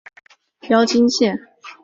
标津线。